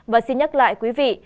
và xin nhắc lại quý vị